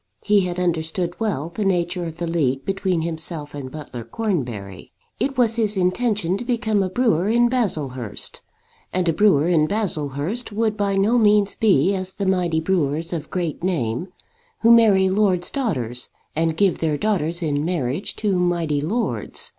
He had understood well the nature of the league between himself and Butler Cornbury. It was his intention to become a brewer in Baslehurst; and a brewer in Baslehurst would by no means be as the mighty brewers of great name, who marry lord's daughters, and give their daughters in marriage to mighty lords.